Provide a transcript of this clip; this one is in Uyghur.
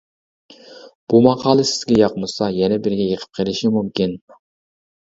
بۇ ماقالە سىزگە ياقمىسا يەنە بىرىگە يېقىپ قېلىشى مۇمكىن.